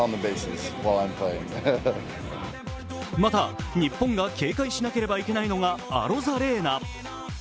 また、日本が警戒しなければいけないのがアロザレーナ。